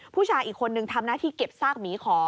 ผู้ชายอีกคนนึงทำหน้าที่เก็บซากหมีขอ